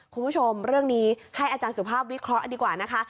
คุณผู้ชมเรื่องนี้ให้อาจารย์สุภาพวิเคราะห์ดีกว่านะคะ